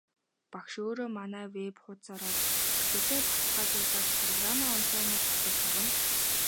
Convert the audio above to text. Багш өөрөө манай веб хуудсаар орж бүртгэлээ баталгаажуулаад программаа онлайнаар татаж авна.